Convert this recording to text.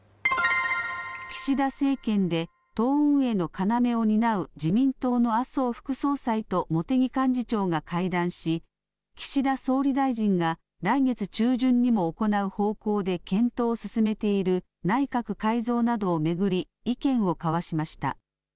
岸田政権で党運営の要を担う自民党の麻生副総裁と茂木幹事長が会談し、岸田総理大臣が来月中旬にも行う方向で検討を進めている内閣改造などを巡り意見を交わしました。